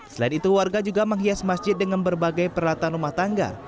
selain itu warga juga menghias masjid dengan berbagai peralatan rumah tangga